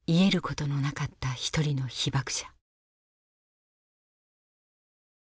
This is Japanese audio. ことのなかった一人の被爆者。